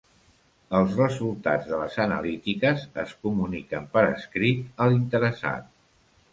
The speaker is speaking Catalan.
Els resultats de les analítiques es comuniquen per escrit a l'interessat.